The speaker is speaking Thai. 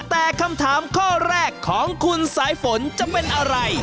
แต่คำถามข้อแรกของคุณสายฝนจะเป็นอะไร